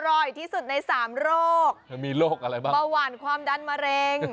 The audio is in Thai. อร่อยที่สุดใน๓โรคประหว่านความดันมะเร็ง